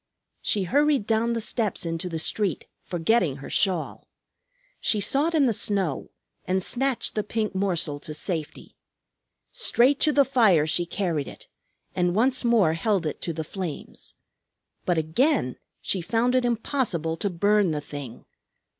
She hurried down the steps into the street, forgetting her shawl. She sought in the snow and snatched the pink morsel to safety. Straight to the fire she carried it, and once more held it to the flames. But again she found it impossible to burn the thing.